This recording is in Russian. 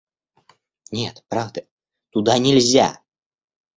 — Нет, правда. Туда нельзя.